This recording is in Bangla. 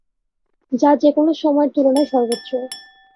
যা যেকোনো সময়ের তুলনায় সর্বোচ্চ।